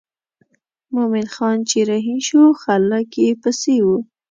مومن خان چې رهي شو خلک یې پسې وو.